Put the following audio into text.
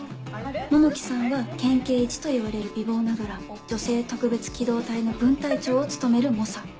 桃木さんは県警イチといわれる美貌ながら女性特別機動隊の分隊長を務める猛者。